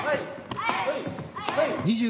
はい！